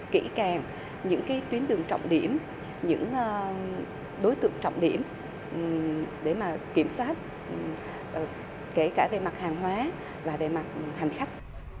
kỹ càng những tuyến đường trọng điểm những đối tượng trọng điểm để kiểm soát kể cả về mặt hàng hóa và về mặt hành khách